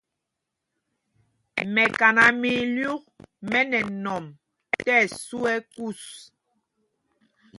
Mɛkaná mɛ ílyûk mɛ nɛ nɔm tí ɛsu kús.